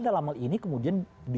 dalam hal ini kemudian